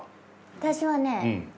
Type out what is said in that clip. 私はね